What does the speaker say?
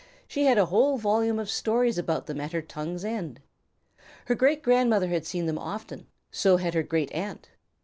She had a whole volume of stories about them at her tongue's end. Her great grandmother had seen them often; so had her great aunt.